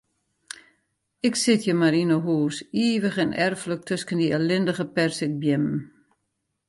Ik sit hjir mar yn 'e hûs, ivich en erflik tusken dy ellindige perzikbeammen.